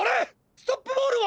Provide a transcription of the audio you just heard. ストップボールは！？